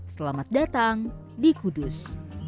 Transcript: selamat datang di kudus